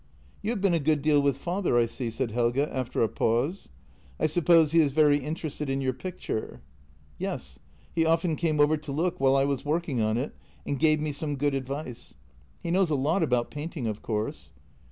" You have been a good deal with father, I see," said Helge after a pause. " I suppose he is very interested in your pic ture ?" "Yes. He often came over to look while I was working on it, and gave me some good advice. He knows a lot about painting, of course."